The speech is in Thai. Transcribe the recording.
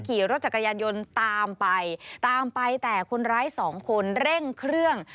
ขี่รถจักรยานยนต์ตามไปตามไปแต่คนร้ายสองคนเร่งเครื่อง